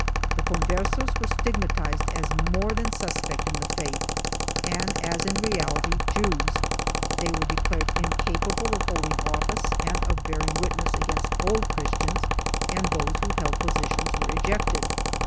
The Conversos were stigmatized as more than sus \ pect in the faith and as in reality Jews; they were declared 1 incapable of holding office and of bearing witness against Old Christians and those who held positions were ejected.